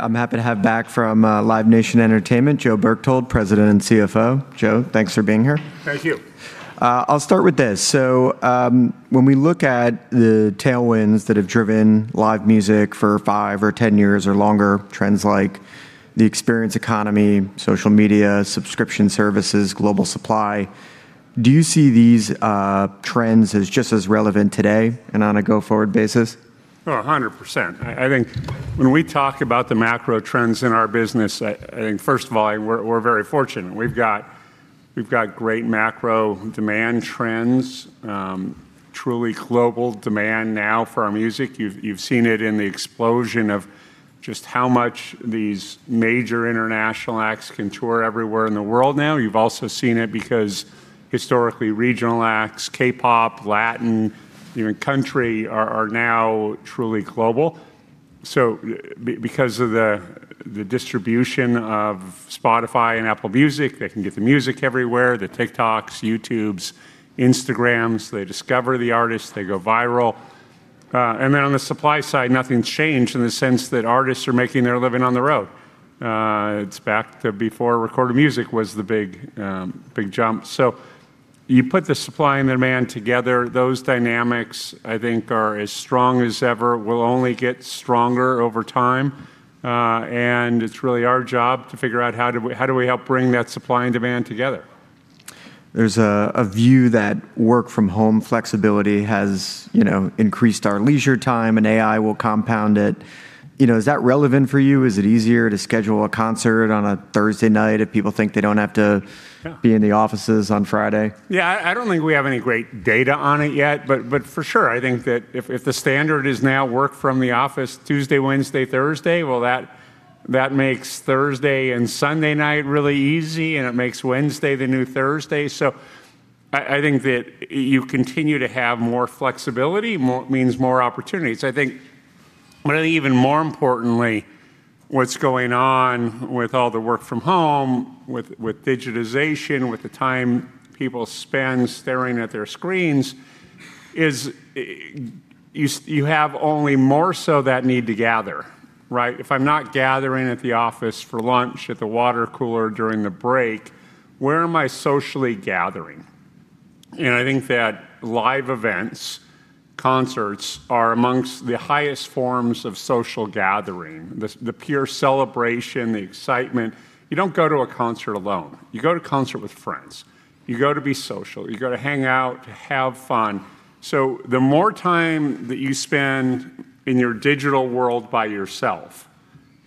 I'm happy to have back from Live Nation Entertainment, Joe Berchtold, President and CFO. Joe, thanks for being here. Thank you. I'll start with this. When we look at the tailwinds that have driven live music for five or 10 years or longer, trends like the experience economy, social media, subscription services, global supply, do you see these trends as just as relevant today and on a go-forward basis? Oh, 100%. I think when we talk about the macro trends in our business, I think first of all, we're very fortunate. We've got great macro demand trends, truly global demand now for our music. You've seen it in the explosion of just how much these major international acts can tour everywhere in the world now. You've also seen it because historically, regional acts, K-pop, Latin, even country, are now truly global. Because of the distribution of Spotify and Apple Music, they can get the music everywhere, the TikToks, YouTubes, Instagrams. They discover the artist, they go viral. Then on the supply side, nothing's changed in the sense that artists are making their living on the road. It's back to before recorded music was the big jump. You put the supply and demand together, those dynamics, I think, are as strong as ever, will only get stronger over time. It's really our job to figure out how do we help bring that supply and demand together? There's a view that work from home flexibility has increased our leisure time, and AI will compound it. Is that relevant for you? Is it easier to schedule a concert on a Thursday night if people think they don't have to- Yeah be in the offices on Friday? Yeah, I don't think we have any great data on it yet, but for sure, I think that if the standard is now work from the office Tuesday, Wednesday, Thursday, well, that makes Thursday and Sunday night really easy, and it makes Wednesday the new Thursday. I think that you continue to have more flexibility, means more opportunities. I think, but even more importantly, what's going on with all the work from home, with digitization, with the time people spend staring at their screens, is you have only more so that need to gather, right? If I'm not gathering at the office for lunch at the water cooler during the break, where am I socially gathering? I think that live events, concerts, are amongst the highest forms of social gathering. The pure celebration, the excitement. You don't go to a concert alone. You go to a concert with friends. You go to be social. You go to hang out, to have fun. The more time that you spend in your digital world by yourself,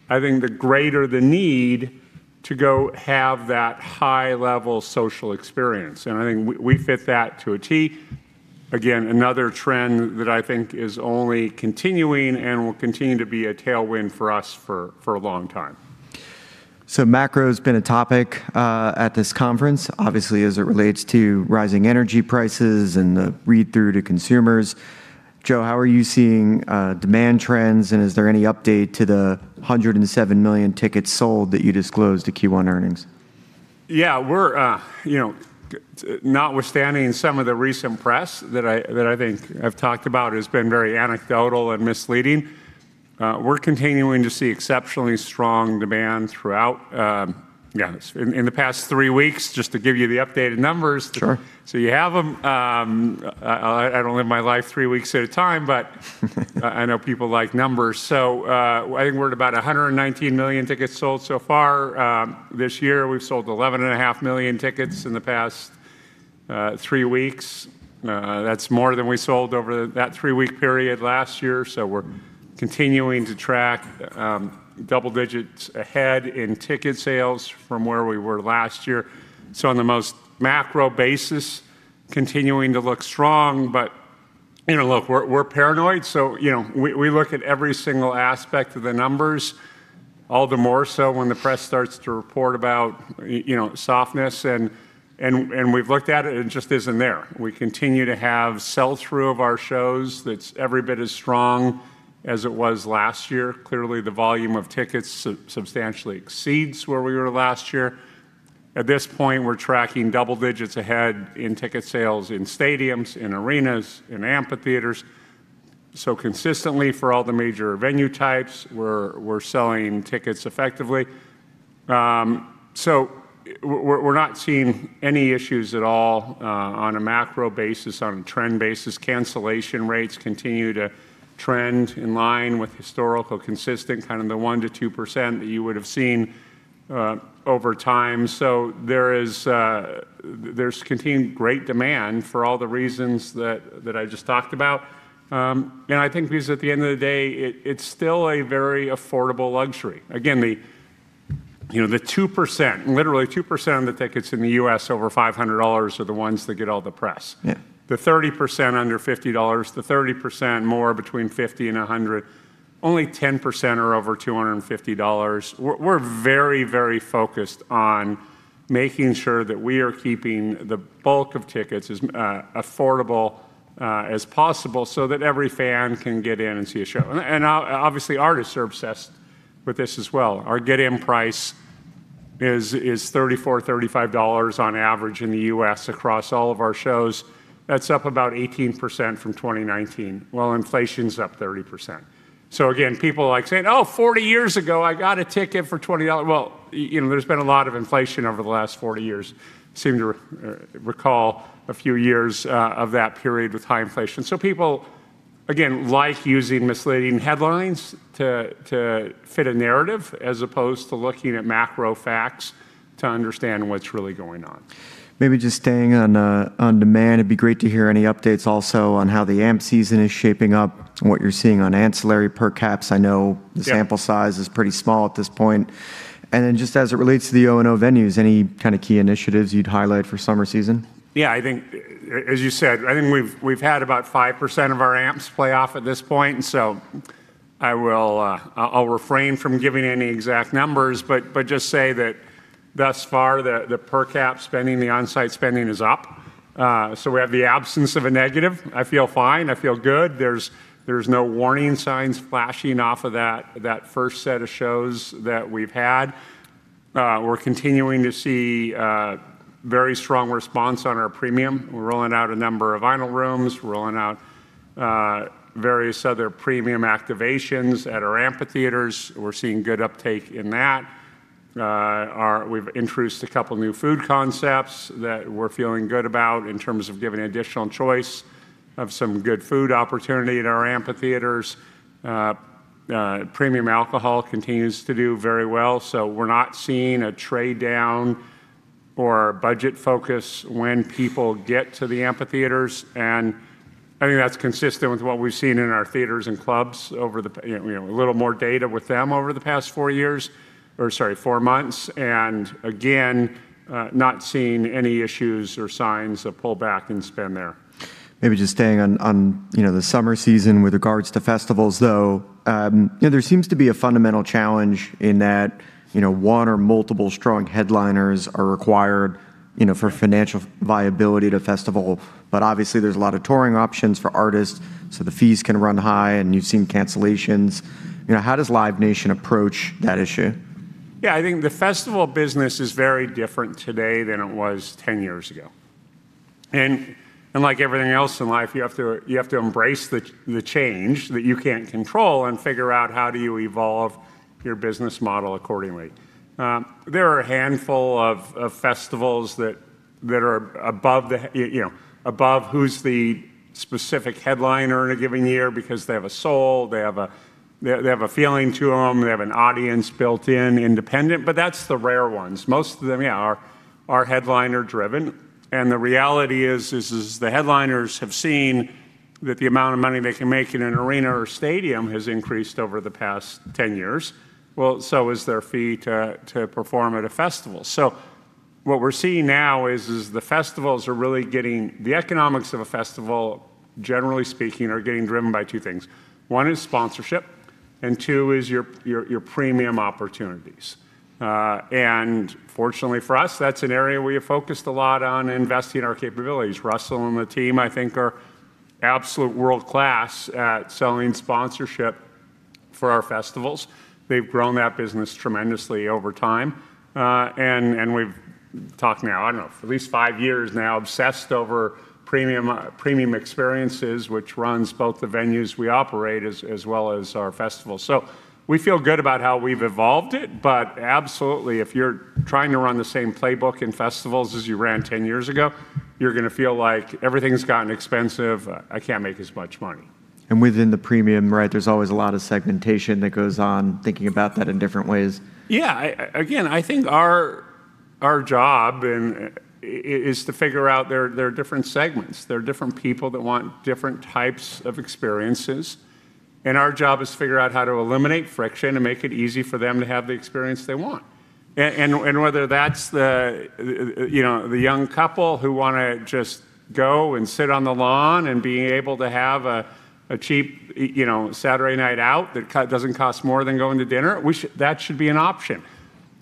I think the greater the need to go have that high-level social experience. I think we fit that to a T. Again, another trend that I think is only continuing and will continue to be a tailwind for us for a long time. Macro's been a topic at this conference, obviously as it relates to rising energy prices and the read-through to consumers. Joe, how are you seeing demand trends, and is there any update to the 107 million tickets sold that you disclosed at Q1 earnings? Yeah. Notwithstanding some of the recent press that I think I've talked about has been very anecdotal and misleading, we're continuing to see exceptionally strong demand throughout. In the past three weeks, just to give you the updated numbers. Sure You have them. I don't live my life three weeks at a time, I know people like numbers. I think we're at about 119 million tickets sold so far. This year, we've sold 11.5 million tickets in the past three weeks. That's more than we sold over that three-week period last year. We're continuing to track double digits ahead in ticket sales from where we were last year. On the most macro basis, continuing to look strong. Look, we're paranoid, so we look at every single aspect of the numbers, all the more so when the press starts to report about softness, and we've looked at it just isn't there. We continue to have sell-through of our shows that's every bit as strong as it was last year. Clearly, the volume of tickets substantially exceeds where we were last year. At this point, we're tracking double digits ahead in ticket sales in stadiums, in arenas, in amphitheaters. Consistently, for all the major venue types, we're selling tickets effectively. We're not seeing any issues at all on a macro basis, on a trend basis. Cancellation rates continue to trend in line with historical, consistent, kind of the 1%-2% that you would've seen over time. There's continued great demand for all the reasons that I just talked about. I think because at the end of the day, it's still a very affordable luxury. Again, the 2%, literally 2% of the tickets in the U.S. over $500 are the ones that get all the press. Yeah. The 30% under $50, the 30% more between $50 and $100. Only 10% are over $250. We're very focused on making sure that we are keeping the bulk of tickets as affordable as possible so that every fan can get in and see a show. Obviously, artists are obsessed with this as well. Our get-in price is $34, $35 on average in the U.S. across all of our shows. That's up about 18% from 2019. Well, inflation's up 30%. Again, people are saying, Oh, 40 years ago, I got a ticket for $20. Well, there's been a lot of inflation over the last 40 years. Seem to recall a few years of that period with high inflation. People, again, like using misleading headlines to fit a narrative as opposed to looking at macro facts to understand what's really going on. Maybe just staying on demand, it'd be great to hear any updates also on how the amp season is shaping up and what you're seeing on ancillary per caps. Yeah the sample size is pretty small at this point. Just as it relates to the O&O venues, any kind of key initiatives you'd highlight for summer season? Yeah, I think, as you said, I think we've had about 5% of our amps play off at this point, and so I'll refrain from giving any exact numbers, but just say that thus far, the per cap spending, the onsite spending is up. We have the absence of a negative. I feel fine. I feel good. There's no warning signs flashing off of that first set of shows that we've had. We're continuing to see very strong response on our premium. We're rolling out a number of vinyl rooms. We're rolling out various other premium activations at our amphitheaters. We're seeing good uptake in that. We've introduced two new food concepts that we're feeling good about in terms of giving additional choice of some good food opportunity at our amphitheaters. Premium alcohol continues to do very well, so we're not seeing a trade-down or budget focus when people get to the amphitheaters, and I think that's consistent with what we've seen in our theaters and clubs. A little more data with them over the past four years, or sorry, four months, and again, not seeing any issues or signs of pull back in spend there. Maybe just staying on the summer season with regards to festivals, though. There seems to be a fundamental challenge in that one or multiple strong headliners are required for financial viability to festival, but obviously there's a lot of touring options for artists, so the fees can run high and you've seen cancellations. How does Live Nation approach that issue? Yeah, I think the festival business is very different today than it was 10 years ago. Like everything else in life, you have to embrace the change that you can't control and figure out how do you evolve your business model accordingly. There are a handful of festivals that are above who's the specific headliner in a given year because they have a soul, they have a feeling to them, they have an audience built in, independent, but that's the rare ones. Most of them, yeah, are headliner driven. The reality is, the headliners have seen that the amount of money they can make in an arena or stadium has increased over the past 10 years. Well, so is their fee to perform at a festival. What we're seeing now is the festivals are really getting, the economics of a festival, generally speaking, are getting driven by two things. One is sponsorship, and two is your premium opportunities. Fortunately for us, that's an area we have focused a lot on investing in our capabilities. Russell and the team, I think, are absolute world-class at selling sponsorship for our festivals. They've grown that business tremendously over time. We've talked now, I don't know, for at least five years now, obsessed over premium experiences, which runs both the venues we operate as well as our festivals. We feel good about how we've evolved it, but absolutely, if you're trying to run the same playbook in festivals as you ran 10 years ago, you're going to feel like everything's gotten expensive. I can't make as much money. Within the premium, there's always a lot of segmentation that goes on, thinking about that in different ways. Yeah. Again, I think our job is to figure out there are different segments. There are different people that want different types of experiences, and our job is to figure out how to eliminate friction and make it easy for them to have the experience they want. Whether that's the young couple who want to just go and sit on the lawn and be able to have a cheap Saturday night out that doesn't cost more than going to dinner, that should be an option.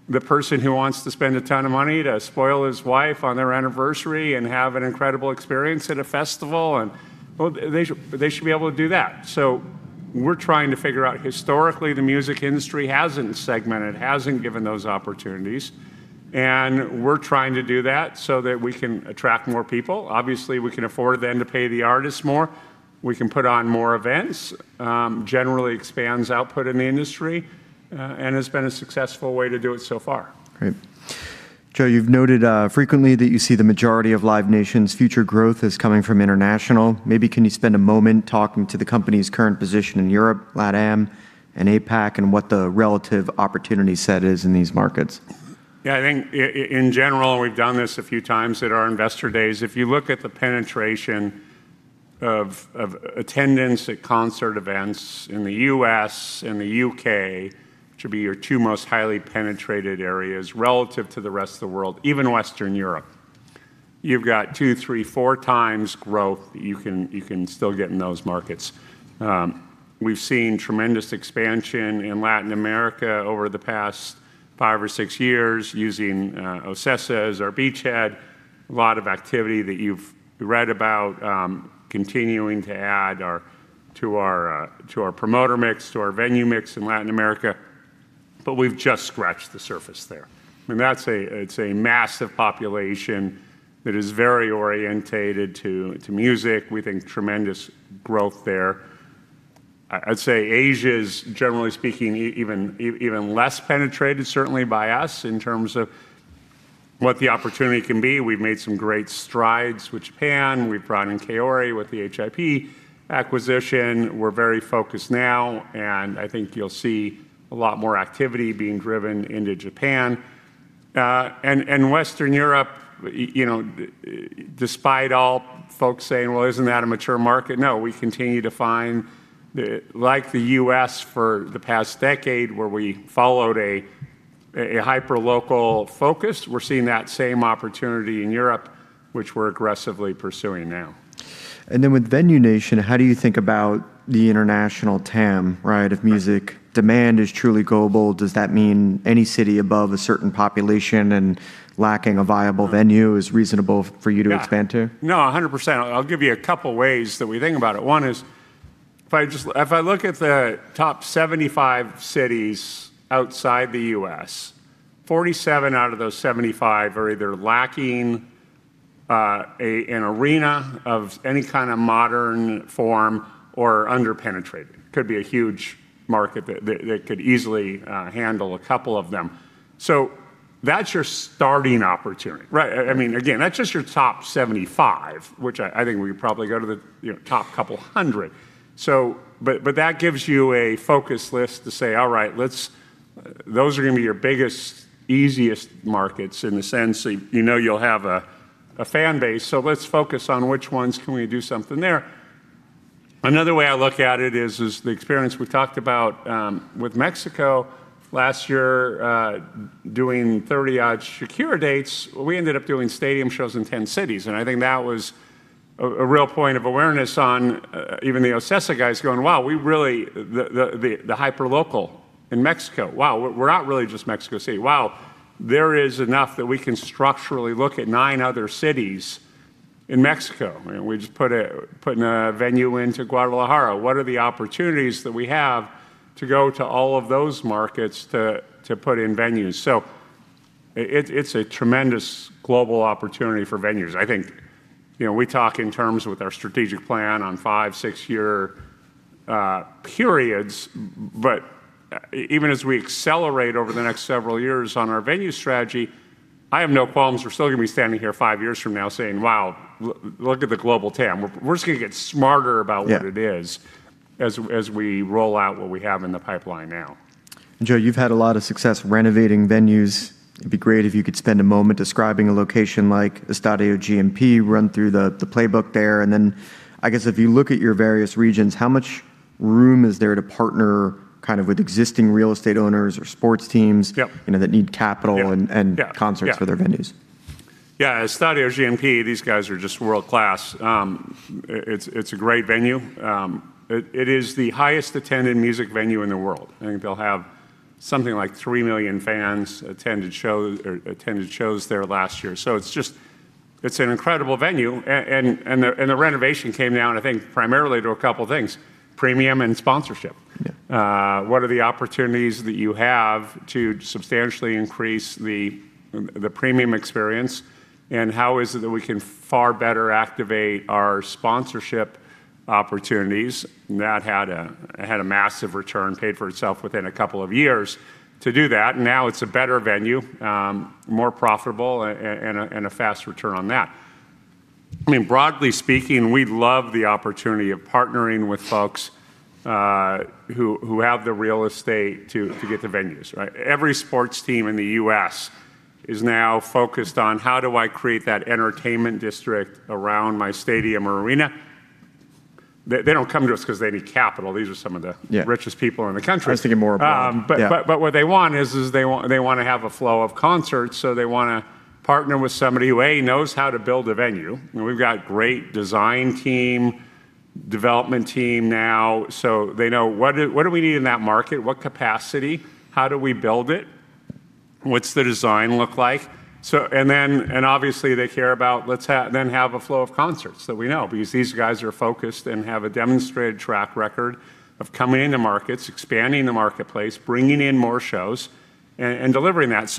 The person who wants to spend a ton of money to spoil his wife on their anniversary and have an incredible experience at a festival, well, they should be able to do that. We're trying to figure out, historically, the music industry hasn't segmented, hasn't given those opportunities, and we're trying to do that so that we can attract more people. Obviously, we can afford then to pay the artists more. We can put on more events. Generally expands output in the industry, and has been a successful way to do it so far. Great. Joe, you've noted frequently that you see the majority of Live Nation's future growth is coming from international. Maybe can you spend a moment talking to the company's current position in Europe, LATAM, and APAC, and what the relative opportunity set is in these markets? I think in general, we've done this a few times at our investor days. If you look at the penetration of attendance at concert events in the U.S. and the U.K., which would be your two most highly penetrated areas relative to the rest of the world, even Western Europe, you've got 2x, 3x, 4x growth that you can still get in those markets. We've seen tremendous expansion in Latin America over the past five or six years using OCESA as our beachhead. A lot of activity that you've read about, continuing to add to our promoter mix, to our venue mix in Latin America. We've just scratched the surface there. It's a massive population that is very orientated to music. We think tremendous growth there. I'd say Asia is, generally speaking, even less penetrated, certainly by us, in terms of what the opportunity can be. We've made some great strides with Japan. We've brought in Kaori with the HIP acquisition. We're very focused now, and I think you'll see a lot more activity being driven into Japan. Western Europe, despite all folks saying, Well, isn't that a mature market? No, we continue to find, like the U.S. for the past decade, where we followed a hyper-local focus, we're seeing that same opportunity in Europe, which we're aggressively pursuing now. With Venue Nation, how do you think about the international TAM, right? If music demand is truly global, does that mean any city above a certain population and lacking a viable venue is reasonable for you to expand to? No, 100%. I'll give you a couple ways that we think about it. One is, if I look at the top 75 cities outside the U.S., 47 out of those 75 are either lacking an arena of any kind of modern form or are under-penetrated. Could be a huge market that could easily handle a couple of them. That's your starting opportunity. Again, that's just your top 75, which I think we could probably go to the top couple hundred. That gives you a focus list to say, all right, those are going to be your biggest, easiest markets in the sense that you know you'll have a fan base. Let's focus on which ones can we do something there. Another way I look at it is the experience we talked about with Mexico last year, doing 30-odd Shakira dates. We ended up doing stadium shows in 10 cities, and I think that was a real point of awareness on even the OCESA guys going, Wow, the hyper-local in Mexico. Wow, we're not really just Mexico City. Wow, there is enough that we can structurally look at nine other cities in Mexico. We're just putting a venue into Guadalajara. What are the opportunities that we have to go to all of those markets to put in venues? It's a tremendous global opportunity for venues. I think we talk in terms with our strategic plan on five, six-year periods. Even as we accelerate over the next several years on our venue strategy, I have no qualms we're still going to be standing here five years from now saying, Wow, look at the global TAM. We're just going to get smarter about what it is as we roll out what we have in the pipeline now. Joe, you've had a lot of success renovating venues. It'd be great if you could spend a moment describing a location like Estadio GNP Seguros, run through the playbook there. I guess if you look at your various regions, how much room is there to partner with existing real estate owners or sports teams? Yep that need Yeah concerts for their venues? Yeah. Estadio GNP Seguros, these guys are just world-class. It's a great venue. It is the highest attended music venue in the world. I think they'll have something like 3 million fans attended shows there last year. It's an incredible venue, and the renovation came down, I think, primarily to a couple things, premium and sponsorship. Yeah. What are the opportunities that you have to substantially increase the premium experience, and how is it that we can far better activate our sponsorship opportunities? That had a massive return, paid for itself within two years to do that. Now it's a better venue, more profitable, and a fast return on that. Broadly speaking, we love the opportunity of partnering with folks who have the real estate to get the venues, right? Every sports team in the U.S. is now focused on how do I create that entertainment district around my stadium or arena? They don't come to us because they need capital. These are some of the. Yeah richest people in the country. I was thinking more abroad. Yeah. What they want is they want to have a flow of concerts, so they want to partner with somebody who, a, knows how to build a venue. We've got great design team, development team now. They know what do we need in that market, what capacity, how do we build it? What's the design look like? Obviously, they care about let's then have a flow of concerts that we know, because these guys are focused and have a demonstrated track record of coming into markets, expanding the marketplace, bringing in more shows, and delivering that.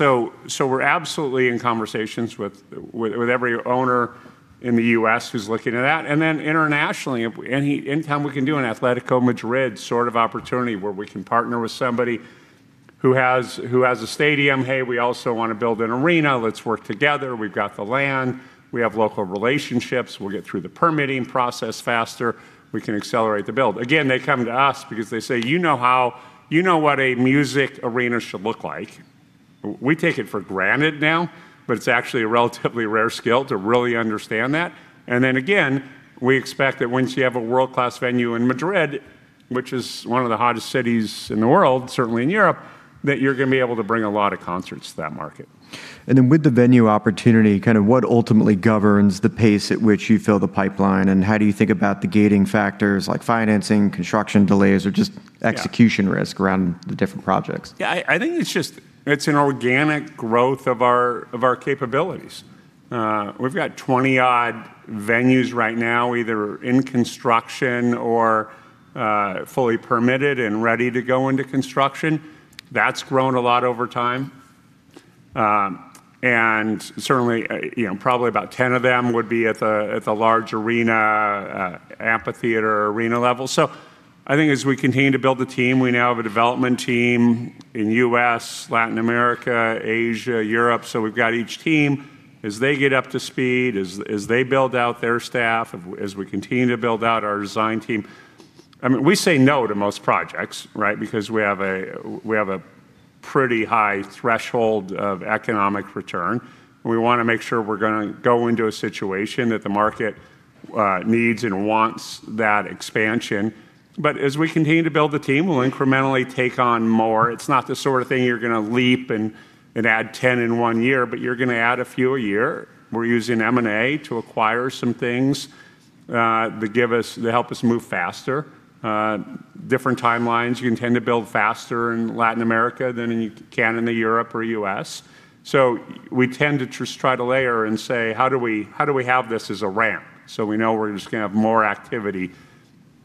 We're absolutely in conversations with every owner in the U.S. who's looking at that. Internationally, anytime we can do an Atlético Madrid sort of opportunity where we can partner with somebody who has a stadium, Hey. We also want to build an arena. Let's work together. We've got the land. We have local relationships. We'll get through the permitting process faster. We can accelerate the build. Again, they come to us because they say, You know what a music arena should look like. We take it for granted now, but it's actually a relatively rare skill to really understand that. Then again, we expect that once you have a world-class venue in Madrid, which is one of the hottest cities in the world, certainly in Europe, that you're going to be able to bring a lot of concerts to that market. With the venue opportunity, what ultimately governs the pace at which you fill the pipeline, and how do you think about the gating factors like financing, construction delays, or just execution risk around the different projects? Yeah. I think it's an organic growth of our capabilities. We've got 20-odd venues right now, either in construction or fully permitted and ready to go into construction. That's grown a lot over time. Certainly, probably about 10 of them would be at the large amphitheater or arena level. I think as we continue to build the team, we now have a development team in U.S., Latin America, Asia, Europe. We've got each team, as they get up to speed, as they build out their staff, as we continue to build out our design team. We say no to most projects, right? Because we have a pretty high threshold of economic return, and we want to make sure we're going to go into a situation that the market needs and wants that expansion. As we continue to build the team, we'll incrementally take on more. It's not the sort of thing you're going to leap and add 10 in one year, but you're going to add a few a year. We're using M&A to acquire some things that help us move faster. Different timelines. You can tend to build faster in Latin America than you can in the Europe or U.S. We tend to just try to layer and say, How do we have this as a ramp? We know we're just going to have more activity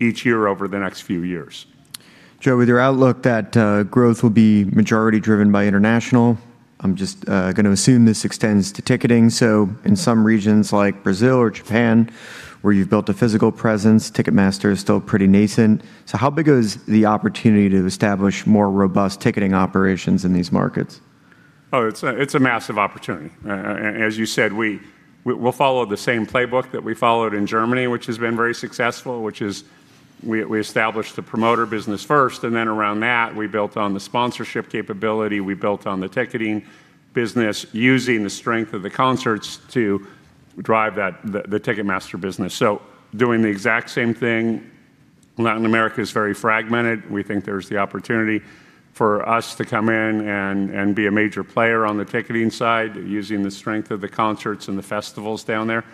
each year over the next few years. Joe, with your outlook that growth will be majority driven by international, I'm just going to assume this extends to ticketing. In some regions like Brazil or Japan where you've built a physical presence, Ticketmaster is still pretty nascent. How big is the opportunity to establish more robust ticketing operations in these markets? Oh, it's a massive opportunity. As you said, we'll follow the same playbook that we followed in Germany, which has been very successful. Which is we established the promoter business first, and then around that, we built on the sponsorship capability, we built on the ticketing business using the strength of the concerts to drive the Ticketmaster business. Doing the exact same thing. Latin America is very fragmented. We think there's the opportunity for us to come in and be a major player on the ticketing side using the strength of the concerts and the festivals down there.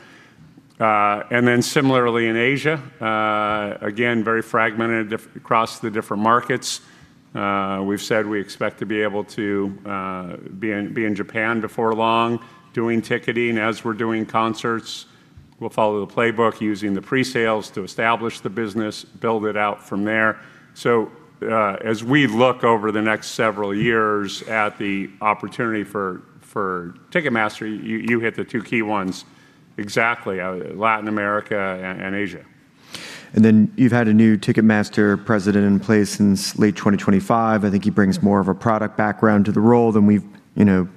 Similarly in Asia, again, very fragmented across the different markets. We've said we expect to be able to be in Japan before long, doing ticketing as we're doing concerts. We'll follow the playbook using the pre-sales to establish the business, build it out from there. As we look over the next several years at the opportunity for Ticketmaster, you hit the two key ones exactly. Latin America and Asia. You've had a new Ticketmaster president in place since late 2025. I think he brings more of a product background to the role than we've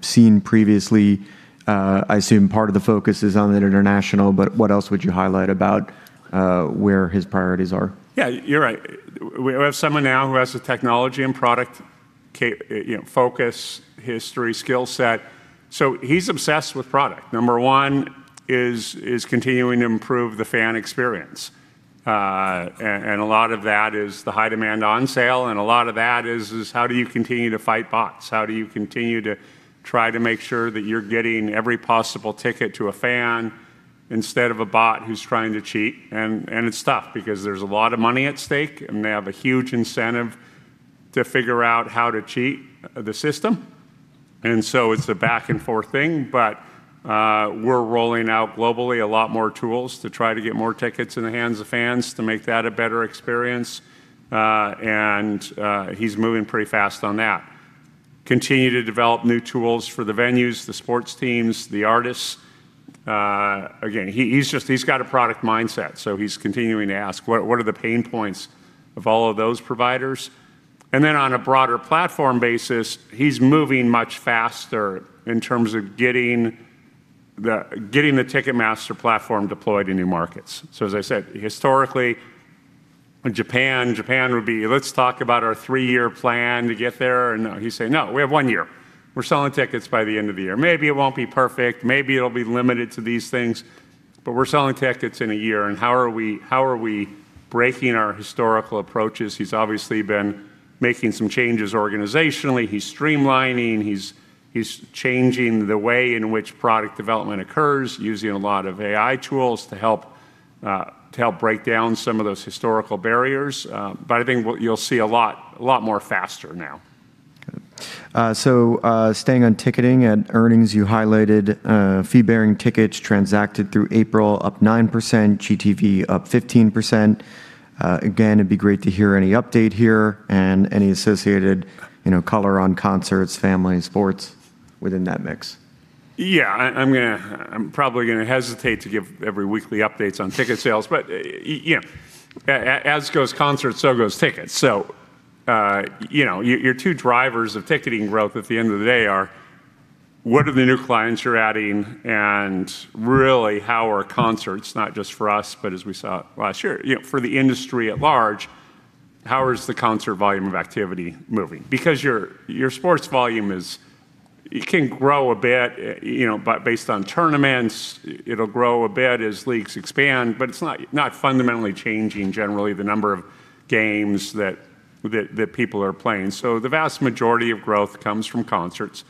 seen previously. I assume part of the focus is on the international, but what else would you highlight about where his priorities are? Yeah, you're right. We have someone now who has the technology and product focus, history, skill set. He's obsessed with product. Number one is continuing to improve the fan experience. A lot of that is the high-demand on sale, and a lot of that is how do you continue to fight bots? How do you continue to try to make sure that you're getting every possible ticket to a fan instead of a bot who's trying to cheat? It's tough because there's a lot of money at stake, and they have a huge incentive to figure out how to cheat the system. It's a back-and-forth thing. We're rolling out globally a lot more tools to try to get more tickets in the hands of fans to make that a better experience. He's moving pretty fast on that. Continue to develop new tools for the venues, the sports teams, the artists. Again, he's got a product mindset, so he's continuing to ask what are the pain points of all of those providers. On a broader platform basis, he's moving much faster in terms of getting the Ticketmaster platform deployed in new markets. As I said, historically, in Japan would be, Let's talk about our three-year plan to get there. He's saying, No, we have one year. We're selling tickets by the end of the year. Maybe it won't be perfect, maybe it'll be limited to these things, but we're selling tickets in a year. How are we breaking our historical approaches? He's obviously been making some changes organizationally. He's streamlining, he's changing the way in which product development occurs, using a lot of AI tools to help break down some of those historical barriers. I think what you'll see a lot more faster now. Okay. Staying on ticketing and earnings, you highlighted fee-bearing tickets transacted through April up 9%, GTV up 15%. Again, it'd be great to hear any update here and any associated color on concerts, family, and sports within that mix. Yeah. I'm probably going to hesitate to give every weekly updates on ticket sales, but as goes concerts, so goes tickets. Your two drivers of ticketing growth at the end of the day are, what are the new clients you're adding? Really how are concerts, not just for us, but as we saw last year, for the industry at large, how is the concert volume of activity moving? Your sports volume can grow a bit based on tournaments. It'll grow a bit as leagues expand, but it's not fundamentally changing, generally, the number of games that people are playing. The vast majority of growth comes from concerts.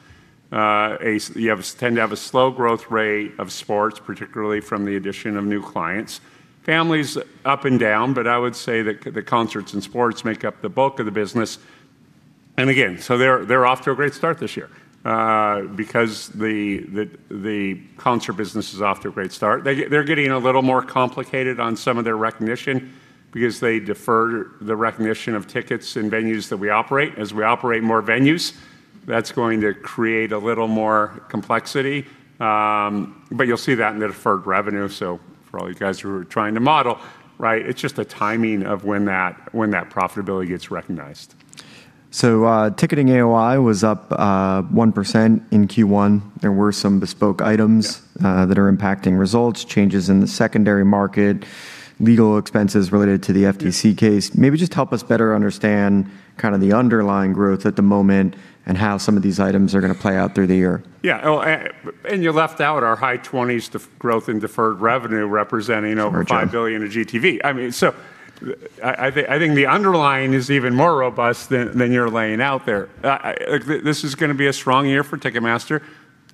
You tend to have a slow growth rate of sports, particularly from the addition of new clients. Families, up and down. I would say that the concerts and sports make up the bulk of the business. Again, they're off to a great start this year. The concert business is off to a great start. They're getting a little more complicated on some of their recognition because they defer the recognition of tickets in venues that we operate. As we operate more venues, that's going to create a little more complexity, but you'll see that in the deferred revenue. For all you guys who are trying to model, it's just a timing of when that profitability gets recognized. Ticketing AOI was up 1% in Q1. There were some bespoke items. Yeah that are impacting results, changes in the secondary market, legal expenses related to the FTC case. Maybe just help us better understand the underlying growth at the moment and how some of these items are going to play out through the year. Yeah. Oh, you left out our high 20s growth in deferred revenue representing. Sure. $5 billion of GTV. I think the underlying is even more robust than you're laying out there. This is going to be a strong year for Ticketmaster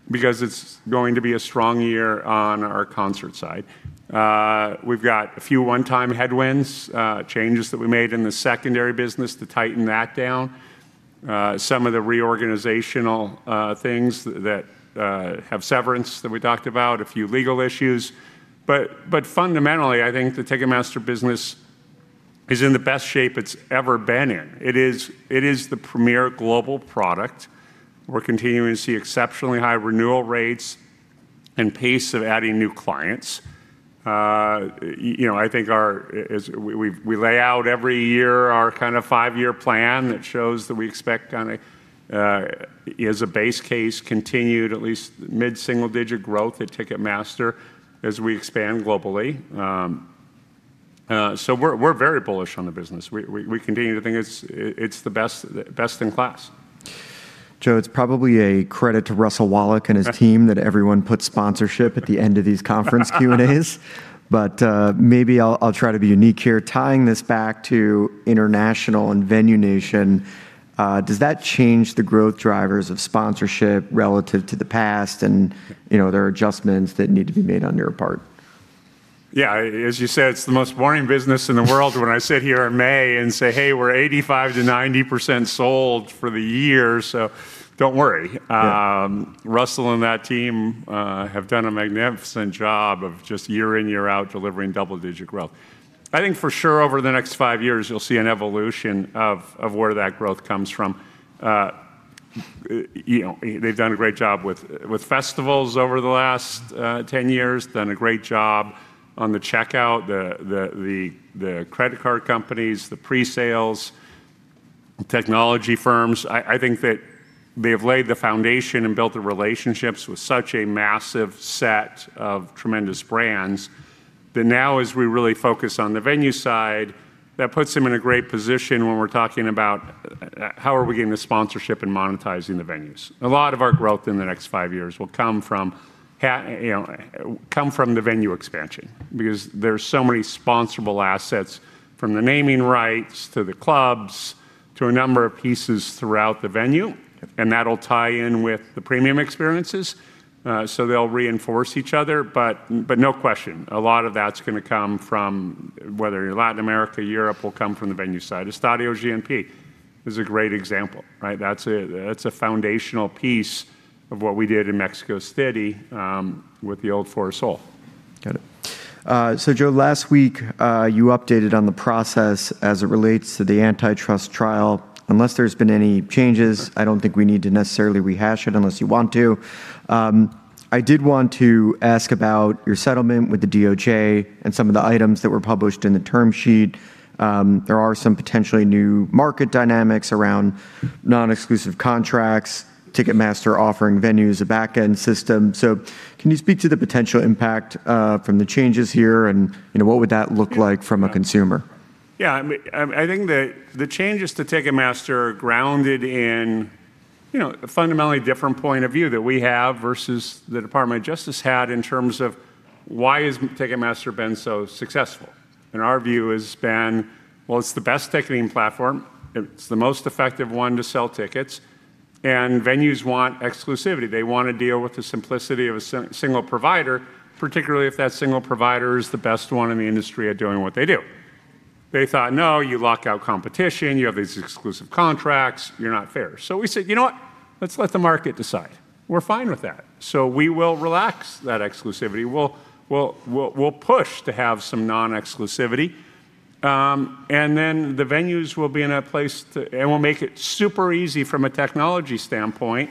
because it's going to be a strong year on our concert side. We've got a few one-time headwinds, changes that we made in the secondary business to tighten that down. Some of the reorganizational things that have severance that we talked about, a few legal issues. Fundamentally, I think the Ticketmaster business is in the best shape it's ever been in. It is the premier global product. We're continuing to see exceptionally high renewal rates and pace of adding new clients. I think as we lay out every year our kind of five-year plan that shows that we expect as a base case continued at least mid-single-digit growth at Ticketmaster as we expand globally. We're very bullish on the business. We continue to think it's the best in class. Joe, it's probably a credit to Russell Wallach and his team that everyone puts sponsorship at the end of these conference Q&As. Maybe I'll try to be unique here, tying this back to international and Venue Nation. Does that change the growth drivers of sponsorship relative to the past and there are adjustments that need to be made on your part? As you said, it's the most boring business in the world when I sit here in May and say, Hey, we're 85%-90% sold for the year, so don't worry. Yeah. Russell and that team have done a magnificent job of just year in, year out, delivering double-digit growth. I think for sure over the next five years, you'll see an evolution of where that growth comes from. They've done a great job with festivals over the last 10 years, done a great job on the checkout, the credit card companies, the pre-sales, technology firms. I think that they've laid the foundation and built the relationships with such a massive set of tremendous brands that now as we really focus on the venue side, that puts them in a great position when we're talking about how are we getting the sponsorship and monetizing the venues. A lot of our growth in the next five years will come from the venue expansion because there's so many sponsorable assets from the naming rights to the clubs to a number of pieces throughout the venue, and that'll tie in with the premium experiences. They'll reinforce each other, but no question, a lot of that's going to come from, whether you're Latin America, Europe, will come from the venue side. Estadio GNP Seguros is a great example, right? That's a foundational piece of what we did in Mexico City with the old Foro Sol. Got it. Joe, last week, you updated on the process as it relates to the antitrust trial. Unless there's been any changes, I don't think we need to necessarily rehash it unless you want to. I did want to ask about your settlement with the DOJ and some of the items that were published in the term sheet. There are some potentially new market dynamics around non-exclusive contracts, Ticketmaster offering venues a back-end system. Can you speak to the potential impact from the changes here and what would that look like from a consumer? I think the changes to Ticketmaster are grounded in a fundamentally different point of view that we have versus the Department of Justice had in terms of why has Ticketmaster been so successful. Our view has been, well, it's the best ticketing platform, it's the most effective one to sell tickets, and venues want exclusivity. They want to deal with the simplicity of a single provider, particularly if that single provider is the best one in the industry at doing what they do. They thought, No, you lock out competition. You have these exclusive contracts. You're not fair. We said, You know what? Let's let the market decide. We're fine with that. We will relax that exclusivity. We'll push to have some non-exclusivity, and then the venues will be in a place and we'll make it super easy from a technology standpoint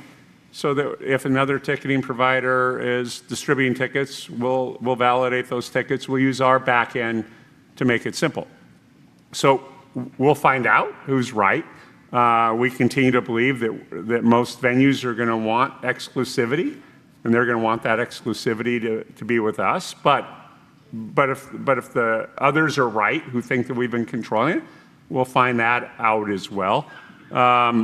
so that if another ticketing provider is distributing tickets, we'll validate those tickets. We'll use our back end to make it simple. We'll find out who's right. We continue to believe that most venues are going to want exclusivity, and they're going to want that exclusivity to be with us. If the others are right, who think that we've been controlling it, we'll find that out as well. Our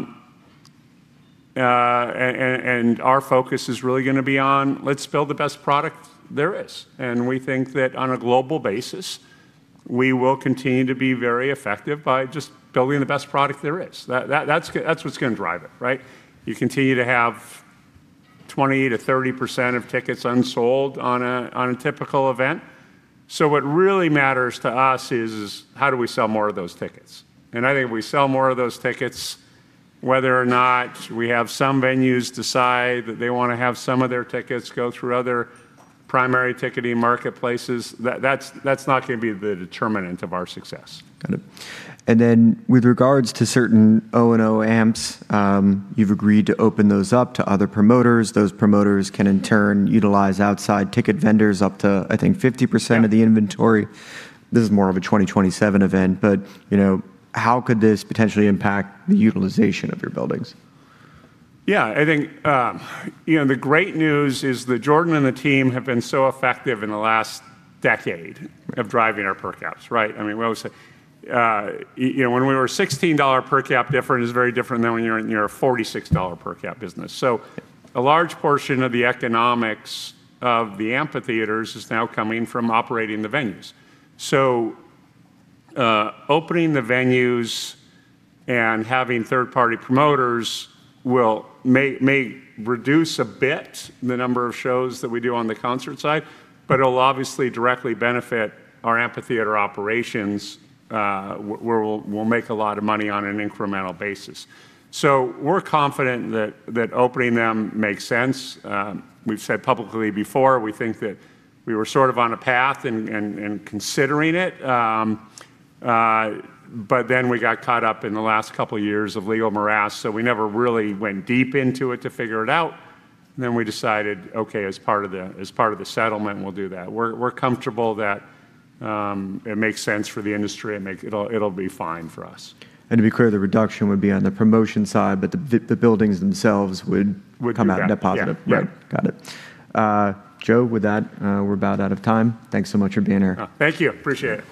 focus is really going to be on let's build the best product there is. We think that on a global basis, we will continue to be very effective by just building the best product there is. That's what's going to drive it, right? You continue to have 20% -30% of tickets unsold on a typical event. What really matters to us is how do we sell more of those tickets? I think if we sell more of those tickets, whether or not we have some venues decide that they want to have some of their tickets go through other primary ticketing marketplaces, that's not going to be the determinant of our success. Got it. With regards to certain O&O amps, you've agreed to open those up to other promoters. Those promoters can in turn utilize outside ticket vendors up to, I think, 50% of the inventory. This is more of a 2027 event, but how could this potentially impact the utilization of your buildings? I think the great news is that Jordan and the team have been so effective in the last decade of driving our per caps, right? We always say when we were $16 per cap different is very different than when you're a $46 per cap business. A large portion of the economics of the amphitheaters is now coming from operating the venues. Opening the venues and having third-party promoters may reduce a bit the number of shows that we do on the concert side, but it'll obviously directly benefit our amphitheater operations, where we'll make a lot of money on an incremental basis. We're confident that opening them makes sense. We've said publicly before, we think that we were sort of on a path and considering it, but then we got caught up in the last couple of years of legal morass, so we never really went deep into it to figure it out. We decided, okay, as part of the settlement, we'll do that. We're comfortable that it makes sense for the industry and it'll be fine for us. To be clear, the reduction would be on the promotion side, but the buildings themselves. Would come out net positive. come out net positive. Yeah. Right. Got it. Joe, with that, we're about out of time. Thanks so much for being here. Oh, thank you. Appreciate it.